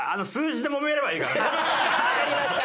わかりました！